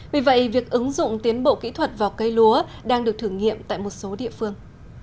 vì vậy việc ứng dụng tiến bộ kỹ thuật vào cây lúa đang được thử nghiệm tại một số địa phương